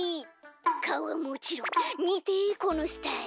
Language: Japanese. かおはもちろんみてこのスタイル。